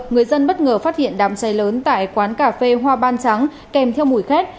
người dân bất ngờ phát hiện đám cháy lớn tại quán cà phê hoa ban trắng kèm theo mùi khét